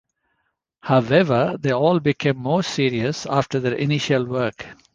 However, they all became more serious after their initial work.